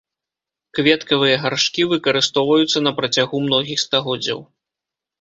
Кветкавыя гаршкі выкарыстоўваюцца на працягу многіх стагоддзяў.